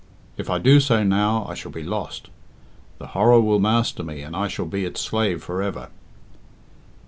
If I do so now, I shall be lost. The horror will master me, and I shall be its slave for ever."